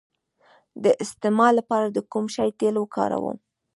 د استما لپاره د کوم شي تېل وکاروم؟